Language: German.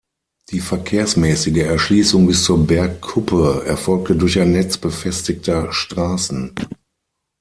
Die verkehrsmäßige Erschließung bis zur Bergkuppe erfolgte durch ein Netz befestigter Straßen.